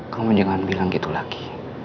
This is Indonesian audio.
kamu jangan bilang gitu lagi